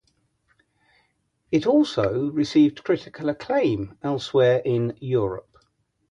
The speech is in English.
It also received critical acclaim elsewhere in Europe.